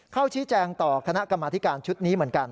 ชี้แจงต่อคณะกรรมธิการชุดนี้เหมือนกัน